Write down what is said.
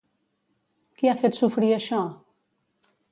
Qui ha fet sofrir això?